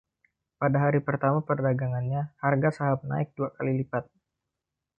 Pada hari pertama perdagangannya, harga saham naik dua kali lipat.